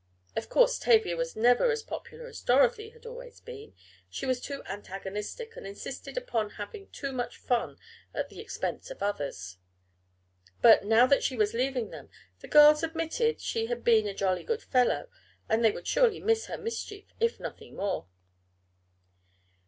Of course Tavia was never as popular as Dorothy had always been she was too antagonistic, and insisted upon having too much fun at the expense of others. But, now that she was leaving them, the girls admitted she had been a "jolly good fellow," and they would surely miss her mischief if nothing more.